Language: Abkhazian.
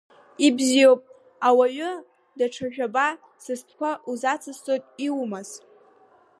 Ибзиоуп, ауаҩы, даҽа жәаба са стәқәа узацысҵоит, иумаз!